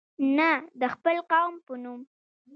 نه د خپل قوم په نوم.